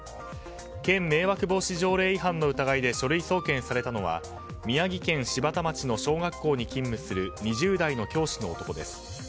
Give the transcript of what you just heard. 県迷惑防止条例違反の疑いで書類送検されたのは宮城県柴田町の小学校に勤務する２０代の教師の男です。